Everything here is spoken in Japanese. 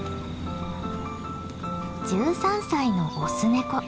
１３歳のオスネコ。